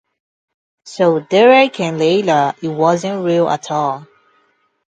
So Derek and Layla-it wasn't real at all.